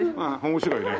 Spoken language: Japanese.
面白いね。